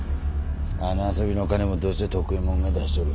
あの遊びの金もどうせ徳右衛門が出しとる。